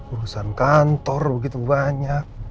urusan kantor begitu banyak